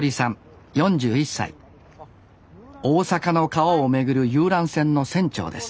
大阪の川を巡る遊覧船の船長です